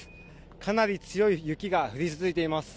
かなり強い雪が降り続いています。